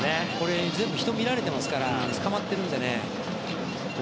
全部、人見られてますからつかまってるのでね。